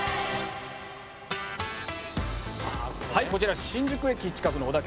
「はいこちら新宿駅近くの